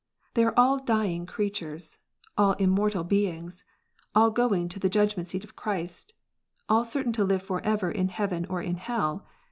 They are all dying creatures, all immortal beings, all going to the judg ment seat of Christ, all certain to live for ever in heaven or in hell.